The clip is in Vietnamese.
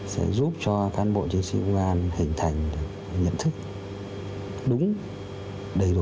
sẽ giúp cho can bộ chương trình công an hình thành nhận thức đúng đầy đủ